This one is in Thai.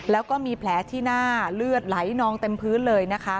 แล้วก็มีแผลที่หน้าเลือดไหลนองเต็มพื้นเลยนะคะ